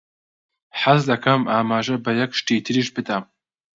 حەز دەکەم ئاماژە بە یەک شتی تریش بدەم.